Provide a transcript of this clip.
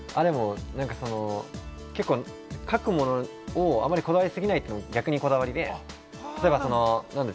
書くものをあまりこだわり過ぎないのが逆にこだわりです。